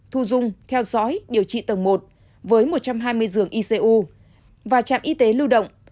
thu dung theo dõi điều trị tầng một với một trăm hai mươi giường icu và trạm y tế lưu động